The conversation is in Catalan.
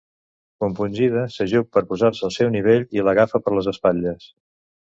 Compungida, s'ajup per posar-se al seu nivell i l'agafa per les espatlles.